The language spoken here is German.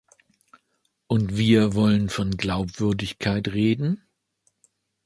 Und wir wollen von Glaubwürdigkeit reden?